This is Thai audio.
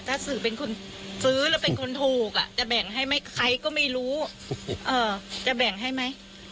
ถ้าสื่อเป็นคนซื้อแล้วเป็นคนถูกจะแบ่งให้ไหมใครก็ไม่รู้จะแบ่งให้ไหม